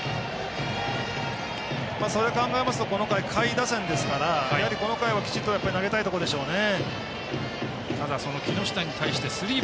それを考えますとこの回は下位打線ですからこの回をきちっと投げたいところでしょうね。